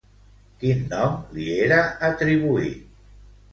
Quin nom li era atribuït?